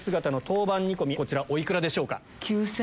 こちらお幾らでしょうか？